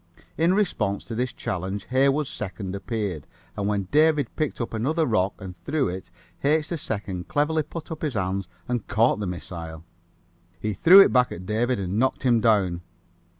In response to this challenge Heywood 2d appeared, and when David picked up another rock and threw it H. 2d cleverly put up his hands and caught the missile. He threw it back at David and knocked him down.